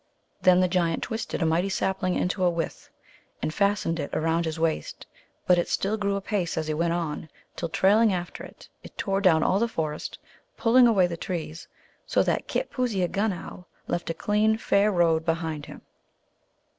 Then the giant twisted a mighty sapling into a withe, and fastened it around his waist. But it still grew apace as he went on, till, trailing after, it tore down all the forest, pulling away the trees, so that Kitpooseagunow left a clean, fair road behind him.